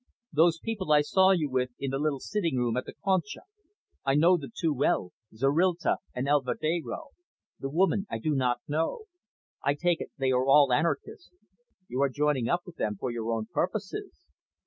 "Those people I saw you with in the little sitting room at the `Concha,' I know the two well, Zorrilta and Alvedero; the woman I do not know. I take it they are all anarchists. You are joining up with them for your own purposes."